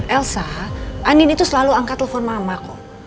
elsa anin itu selalu angkat telepon mama kok